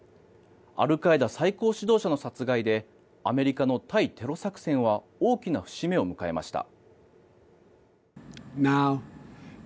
アルカイダ最高指導者の殺害でアメリカの対テロ作戦は大きな節目を迎えました。